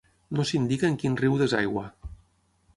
No s'indica en quin riu desaigua.